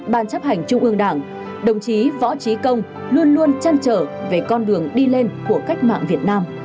ban chấp hành trung ương đảng đồng chí võ trí công luôn luôn chăn trở về con đường đi lên của cách mạng việt nam